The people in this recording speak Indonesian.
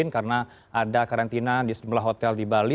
karena ada karantina di sebelah hotel di bali